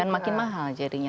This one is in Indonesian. dan makin mahal jadinya